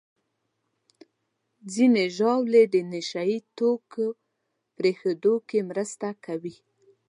ځینې ژاولې د نشهیي توکو پرېښودو کې مرسته کوي.